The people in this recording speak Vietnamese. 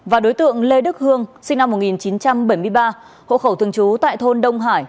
và đối tượng lê đức hương sinh năm một nghìn chín trăm bảy mươi ba hộ khẩu thường trú tại thôn đông hải